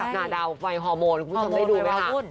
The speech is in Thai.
นาดาวไฟฮอร์โมนคุณผู้ชมได้ดูไหมคะ